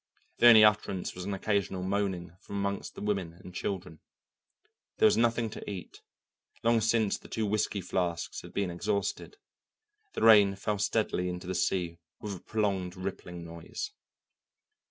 The only utterance was an occasional moaning from among the women and children. There was nothing to eat; long since the two whisky flasks had been exhausted. The rain fell steadily into the sea with a prolonged rippling noise.